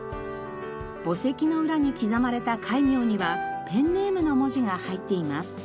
墓石の裏に刻まれた戒名にはペンネームの文字が入っています。